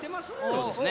そうですね。